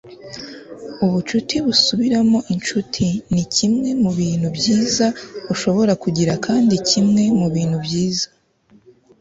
ubucuti busubiramo inshuti nikimwe mubintu byiza ushobora kugira kandi kimwe mubintu byiza